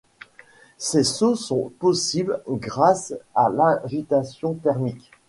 Ces sauts sont possibles grâce à l'agitation thermique.